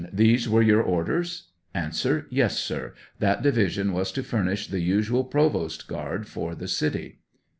These were your orders ? A. Yes, sir ; that division was to furnish the usual provost guard for the city.